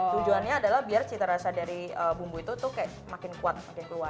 tujuannya adalah biar cita rasa dari bumbu itu tuh kayak makin kuat makin keluar